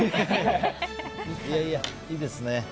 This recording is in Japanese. いやいや、いいですね。